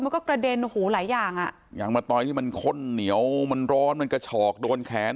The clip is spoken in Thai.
กระเด็นหูหลายอย่างอ่ะยางมะตอยที่มันข้นเหนียวมันร้อนมันกระฉอกโดนแขน